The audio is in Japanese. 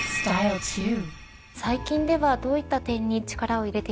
最近ではどういった点に力を入れているんでしょうか？